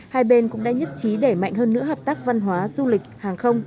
hai bên cũng đã nhất trí đẩy mạnh hơn nữa hợp tác văn hóa du lịch hàng không